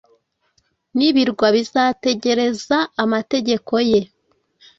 n’ibirwa bizategereza amategeko ye.”